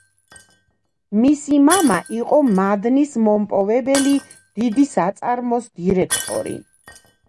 მისი მამა იყო მადნის მომპოვებელი დიდი საწარმოს დირექტორი.